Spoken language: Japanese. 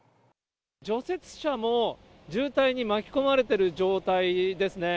除雪車も渋滞に巻き込まれてる状態ですね。